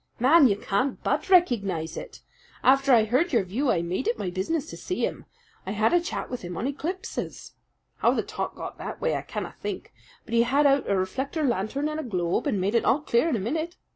"Man, you can't but recognize it! After I heard your view I made it my business to see him. I had a chat with him on eclipses. How the talk got that way I canna think; but he had out a reflector lantern and a globe, and made it all clear in a minute.